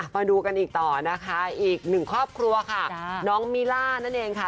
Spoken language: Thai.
มาดูกันอีกต่อนะคะอีกหนึ่งครอบครัวค่ะน้องมิล่านั่นเองค่ะ